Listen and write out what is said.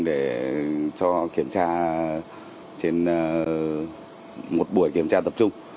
để cho kiểm tra trên một buổi kiểm tra tập trung